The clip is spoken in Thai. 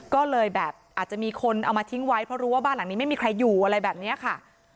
ก็เลยแบบอาจจะมีคนเอามาทิ้งไว้เพราะรู้ว่าบ้านหลังนี้ไม่มีใครอยู่อะไรแบบนี้ค่ะ